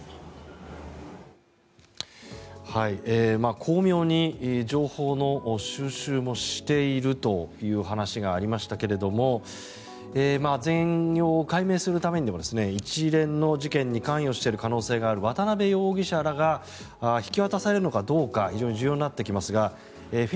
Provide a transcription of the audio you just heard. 巧妙に情報の収集もしているという話がありましたが全容解明するためにも一連の事件に関与している可能性のある渡邉容疑者らが引き渡されるのかどうか非常に重要になってきますが。